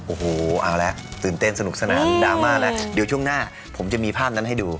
โอ้โหเอาละตื่นเต้นสนุกสนานดราม่าแล้วเดี๋ยวช่วงหน้าผมจะมีภาพนั้นให้ดู